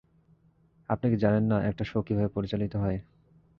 আপনি কি জানেন না একটা শো কিভাবে পরিচালিত হয়?